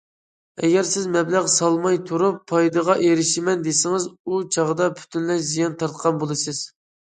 ئەگەر سىز مەبلەغ سالماي تۇرۇپ پايدىغا ئېرىشىمەن دېسىڭىز، ئۇ چاغدا پۈتۈنلەي زىيان تارتقان بولىسىز.